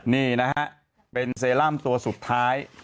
นี่นะฮะเป็นเซรั่มตัวสุดท้าย